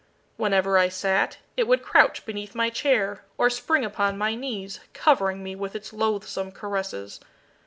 Whenever I sat, it would crouch beneath my chair or spring upon my knees, covering me with its loathsome caresses.